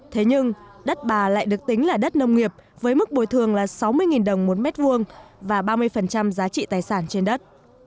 thế nhưng đất bà lại được tính là đất nông nghiệp với mức bồi thường là sáu mươi đồng một mét vuông và ba mươi giá trị tài sản trên đất